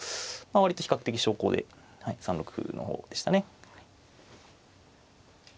割と比較的小考で３六歩の方でしたね。